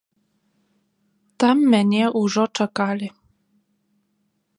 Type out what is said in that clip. Там мяне ўжо чакалі.